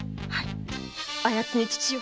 あやつは父を！